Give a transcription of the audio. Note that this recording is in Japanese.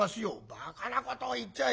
「バカなことを言っちゃいけない。